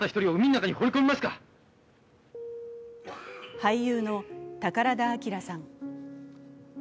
俳優の宝田明さん。